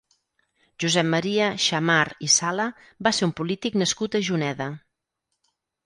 Josep Maria Xammar i Sala va ser un polític nascut a Juneda.